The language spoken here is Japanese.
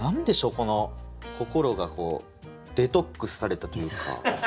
この心がこうデトックスされたというか。